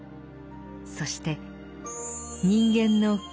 そして人間の共